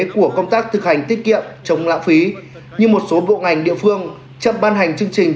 của công tác thực hành tiết kiệm chống lãng phí như một số bộ ngành địa phương chậm ban hành chương trình